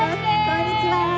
こんにちは。